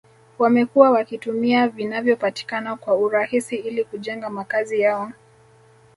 Wamekuwa wakitumia vinavyopatikana kwa urahisi ili kujenga makazi yao